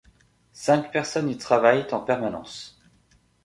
Cinq personnes y travaillent en permanence.